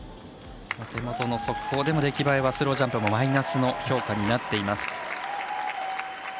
手元の速報でも出来栄えはスロージャンプマイナスの評価になっています。